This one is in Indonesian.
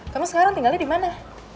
kamu sekarang tinggalnya dimana